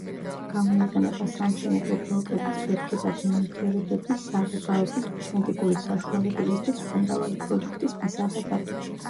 გამოიყენება სამშენებლო ბლოკების, ფეთქებადი ნივთიერებების, საღებავების, კოსმეტიკური საშუალებების და სხვა მრავალი პროდუქტის მისაღებად.